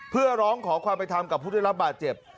เพื่อร้องขอความไปทำกับผู้ได้รับบาดเจ็บ